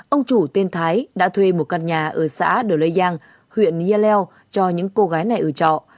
ông chủ tên thái đã thuê một căn nhà ở xã đồ lê giang huyện nghia leo cho những cô gái này ở trọ